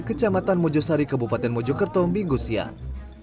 kecamatan mojosari kabupaten mojokerto minggu siang